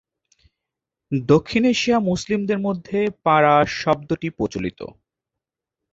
দক্ষিণ এশিয়ার মুসলিমদের মধ্যে পারা শব্দটি প্রচলিত।